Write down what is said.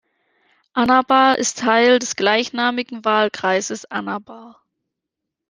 Anabar ist Teil des gleichnamigen Wahlkreises Anabar.